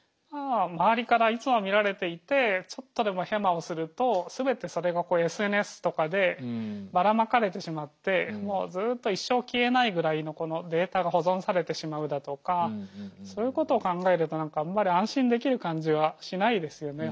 周りからいつも見られていてちょっとでもヘマをすると全てそれがＳＮＳとかでばらまかれてしまってもうずっと一生消えないぐらいのこのデータが保存されてしまうだとかそういうことを考えると何かあんまり安心できる感じはしないですよね。